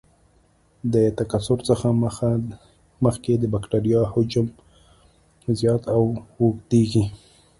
د تکثر څخه مخکې د بکټریا حجم زیات او اوږدیږي.